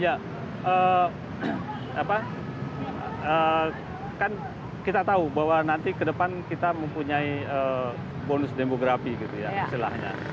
ya apa kan kita tahu bahwa nanti ke depan kita mempunyai bonus demografi gitu ya istilahnya